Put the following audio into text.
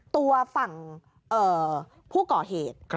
ตัวฝั่งผู้ก่อเหตุ